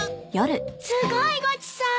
すごいごちそう。